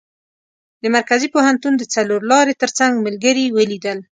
د مرکزي پوهنتون د څلور لارې تر څنګ ملګري ولیدل.